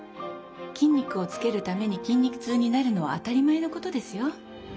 筋肉をつけるために筋肉痛になるのは当たり前のことですよ。